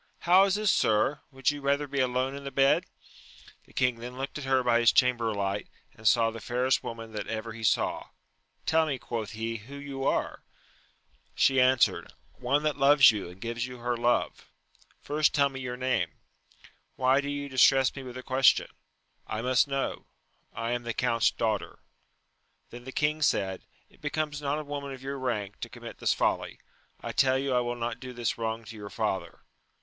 How is this, sir 1 would you rather be alone in the bed ? The king then looked at her by his chamber light, and saw the fairest woman that ever he saw: tell me, quoth he, who you are 1 She answered, one that loves you, and gives you her love. — First tell me your name ?— Why do you distress me with the question ?— I must know. — ^I am the Count's daughter. Then the king said, It becomes not a woman of your rank to commit this folly : I tell you I will not do this wrong to your father.